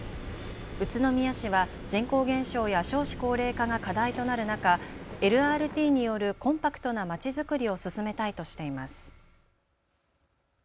宇都宮市は人口減少や少子高齢化が課題となる中、ＬＲＴによるコンパクトなまちづくりを進めたいとしています。